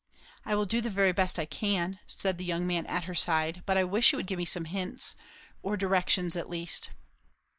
"I will do the very best I can," said the young man at her side; "but I wish you would give me some hints, or directions, at least."